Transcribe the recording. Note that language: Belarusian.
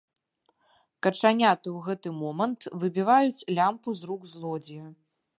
Качаняты ў гэты момант выбіваюць лямпу з рук злодзея.